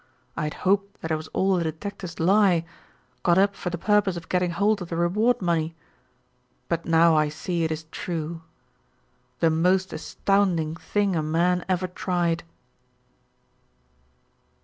I had hoped that it was all a detective's lie, got up for the purpose of getting hold of the reward money, but now I see it is true the most astounding thing a man ever tried."